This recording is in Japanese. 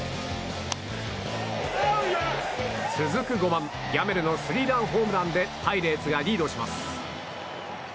続く５番、ギャメルのスリーランホームランでパイレーツがリードします。